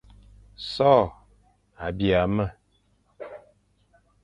So a bîa me,